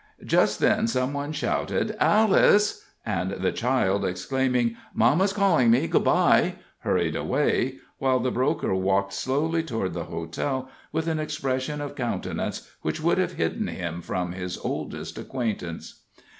Just then some one shouted "Alice!" and the child exclaiming, "Mamma's calling me; good by," hurried away, while the broker walked slowly toward the hotel with an expression of countenance which would have hidden him from his oldest acquaintance.